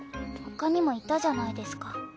他にもいたじゃないですか。